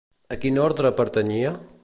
A quin orde pertanyia?